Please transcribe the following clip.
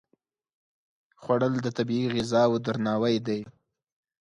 خوړل د طبیعي غذاو درناوی دی